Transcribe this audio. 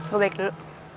gue balik dulu